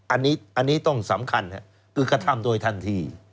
อันนี้ต้องสำคัญคือกระทำโดยทันที